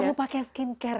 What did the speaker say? gak perlu pakai skin care